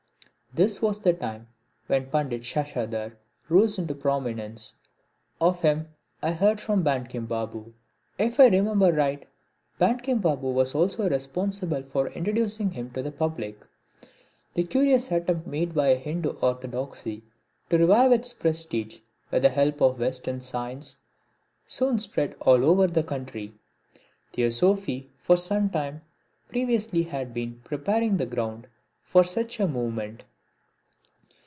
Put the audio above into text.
This was the time when Pandit Sashadhar rose into prominence. Of him I first heard from Bankim Babu. If I remember right Bankim Babu was also responsible for introducing him to the public. The curious attempt made by Hindu orthodoxy to revive its prestige with the help of western science soon spread all over the country. Theosophy for some time previously had been preparing the ground for such a movement.